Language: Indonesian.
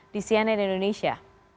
di cnn indonesia